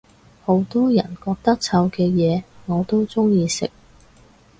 好多人哋覺得臭嘅嘢我都鍾意食